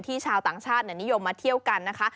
ชาวต่างชาตินิยมมาเที่ยวกันนะคะ